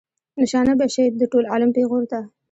نشانه به شئ د ټول عالم پیغور ته.